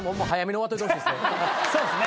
そうすね